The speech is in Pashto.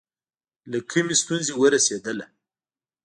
له کومې ستونزې ورسېدله.